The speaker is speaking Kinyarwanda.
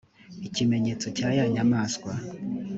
ikimenyetso cya ya nyamaswa